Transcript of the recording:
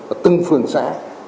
ở tân phường xã